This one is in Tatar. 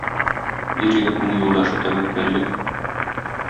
Ир егетнең юлдашы тәвәккәллек.